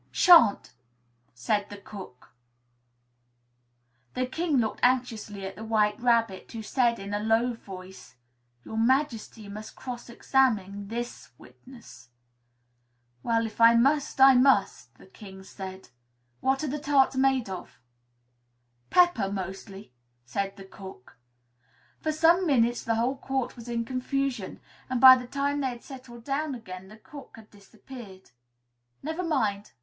"Sha'n't," said the cook. The King looked anxiously at the White Rabbit, who said, in a low voice, "Your Majesty must cross examine this witness." "Well, if I must, I must," the King said. "What are tarts made of?" "Pepper, mostly," said the cook. For some minutes the whole court was in confusion and by the time they had settled down again, the cook had disappeared. "Never mind!"